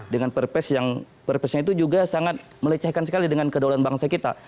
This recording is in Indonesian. dengan purpose yang purpose nya itu juga sangat melecehkan sekali dengan kedaulatan bangsa kita